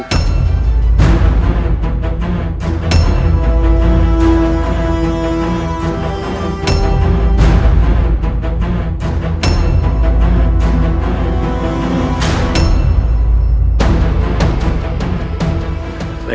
kami akan menangkap mereka